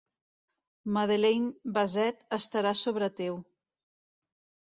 Madeline Bassett estarà sobre teu.